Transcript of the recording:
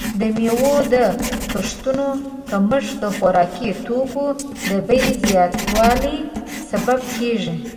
د میوو د کښتونو کمښت د خوراکي توکو د بیې زیاتیدل سبب کیږي.